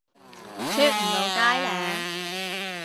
出唔到街呢